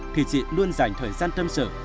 thì chị luôn dành thời gian tâm sự